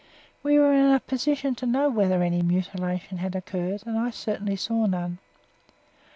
We were in a position to know whether any mutilation had occurred, and I certainly saw none.